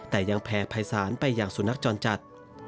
แต่ยังแผ่ภัยศาลไปอย่างสุนัขจรจัด